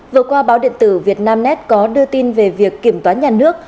vừa qua báo điện tử việt nam nét có đưa tin về việc kiểm toán nhà nước